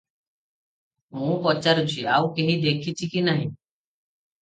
ମୁଁ ପଚାରୁଛି ଆଉ କେହି ଦେଖିଛି କି ନାହିଁ?